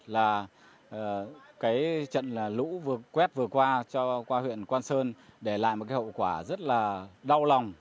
là trận lũ vừa quét vừa qua cho qua huyện quang sơn để lại một hậu quả rất là đau lòng